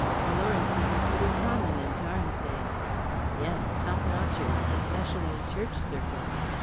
The Lawrences are pretty prominent, aren't they?" "Yes; top notchers; especially in church circles.